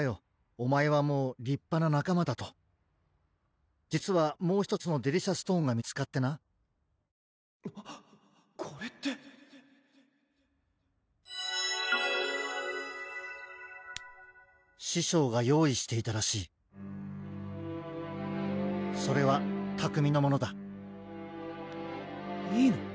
お前はもう立派な仲間だと実はもう１つのデリシャストーンが見つかってなこれって師匠が用意していたらしいそれは拓海のものだいいの？